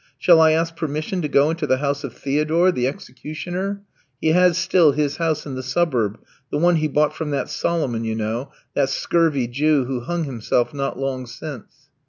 Shall I ask permission to go into the house of Theodore, the executioner? He has still his house in the suburb, the one he bought from that Solomon, you know, that scurvy Jew who hung himself not long since."